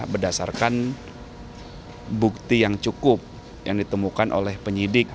berdasarkan bukti yang cukup yang ditemukan oleh penyidik